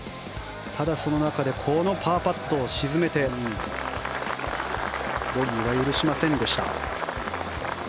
ただ、その中でパーパットを沈めてボギーは許しませんでした。